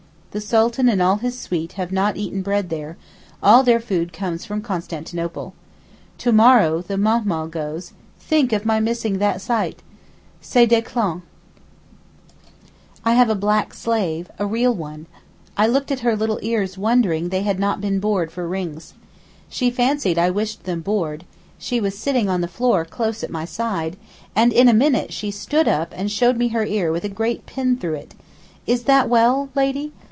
The Sultan and all his suite have not eaten bread here, all their food comes from Constantinople. To morrow the Mahmaal goes—think of my missing that sight! C'est désclant. I have a black slave—a real one. I looked at her little ears wondering they had not been bored for rings. She fancied I wished them bored (she was sitting on the floor close at my side), and in a minute she stood up and showed me her ear with a great pin through it: 'Is that well, lady?